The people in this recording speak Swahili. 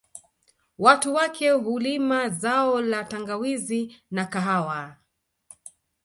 Watu wake hulima zao la tangawizi na kahawa